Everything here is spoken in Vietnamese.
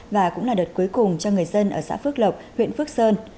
và cũng là đợt cuối cùng cho người dân ở xã phước lộc huyện phước sơn